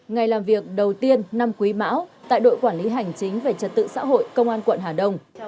ngày làm việc đầu tiên năm quý mão tại đội quản lý hành chính về trật tự xã hội công an quận hà đông